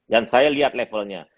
dan saya lihat levelnya